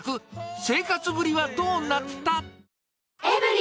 生活ぶりはどうなった？